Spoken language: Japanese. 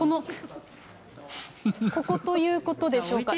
ここということでしょうか。